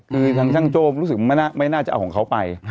คือทางช่างโจ้รู้สึกไม่น่าจะเอาของเขาไป